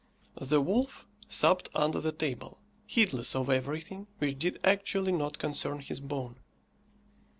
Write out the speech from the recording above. The wolf supped under the table, heedless of everything which did actually not concern his bone.